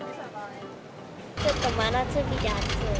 ちょっと真夏日で暑い。